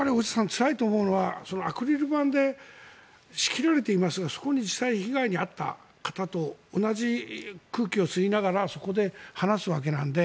つらいと思うのはアクリル板で仕切られていますがそこに実際、被害に遭った方と同じ空気を吸いながらそこで話すわけなので。